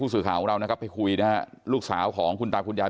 สื่อข่าวของเรานะครับไปคุยนะฮะลูกสาวของคุณตาคุณยาย